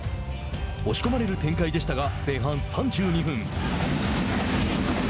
押し込まれる展開でしたが前半３２分。